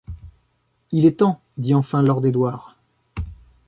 Il est temps, dit enfin lord Edward.